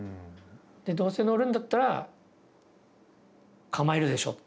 で、どうせ乗るんだったら構えるでしょっていう。